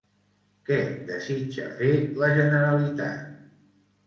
Què desitja fer la Generalitat?